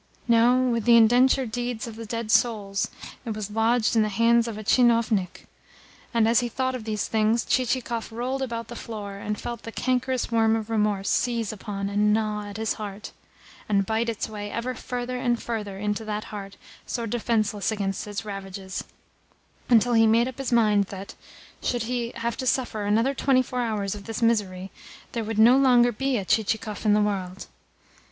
No, with the indenture deeds of the dead souls, it was lodged in the hands of a tchinovnik; and as he thought of these things Chichikov rolled about the floor, and felt the cankerous worm of remorse seize upon and gnaw at his heart, and bite its way ever further and further into that heart so defenceless against its ravages, until he made up his mind that, should he have to suffer another twenty four hours of this misery, there would no longer be a Chichikov in the world.